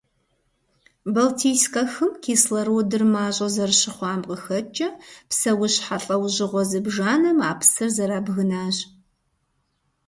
Балтийскэ хым кислородыр мащӀэ зэрыщыхъуам къыхэкӀкӀэ, псэущхьэ лӀэужьыгъуэ зыбжанэм а псыр зэрабгынащ.